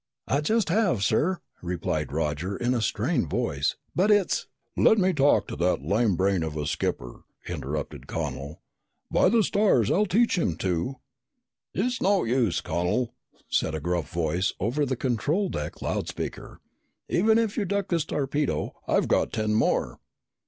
"I just have, sir," replied Roger in a strained voice. "But it's " "Let me talk to that lame brain of a skipper," interrupted Connel. "By the stars, I'll teach him to " "It's no use, Connel," said a gruff voice over the control deck loud speaker. "Even if you duck this torpedo, I've got ten more!"